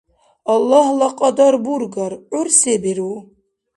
Аллагьла кьадар бургар, гӀур се биру?